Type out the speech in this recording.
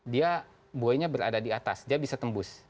dia buayanya berada di atas dia bisa tembus